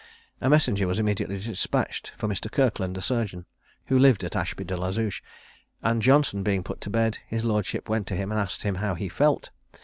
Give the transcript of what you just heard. A messenger was immediately despatched for Mr. Kirkland, a surgeon, who lived at Ashby de la Zouch; and Johnson being put to bed, his lordship went to him and asked him how he felt?